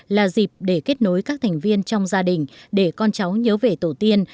là dịp để kết nối các thành viên trong gia đình để con cháu nhớ về tổ tiên